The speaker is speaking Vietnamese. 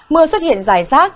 mưa xuất hiện dài rác